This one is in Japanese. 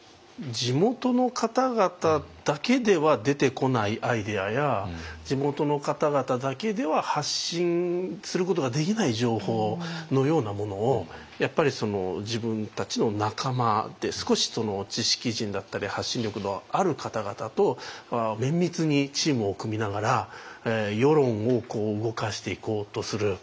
地元の方々だけでは出てこないアイデアや地元の方々だけでは発信することができない情報のようなものをやっぱり自分たちの仲間で少し知識人だったり発信力のある方々と綿密にチームを組みながら世論を動かしていこうとする。